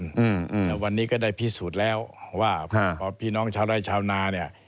อืมแล้ววันนี้ก็ได้พิสูจน์แล้วว่าพอพี่น้องชาวไร่ชาวนาเนี่ย